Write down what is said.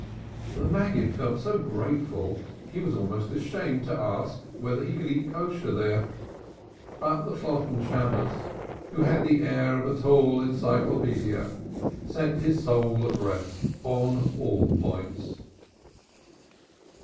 The Maggid felt so grateful he was almost ashamed to ask whether he could eat kosher there, but the Shalotten Shammos, who had the air of a tall encyclopaedia, set his soul at rest on all points.